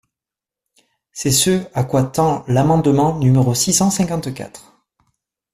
C’est ce à quoi tend l’amendement numéro six cent cinquante-quatre.